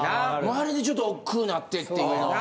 あれでちょっとおっくうなってっていうのは。